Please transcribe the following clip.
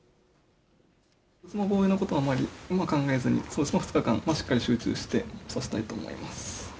防衛のことはあまり考えずに、２日間、しっかり集中して指したいと思います。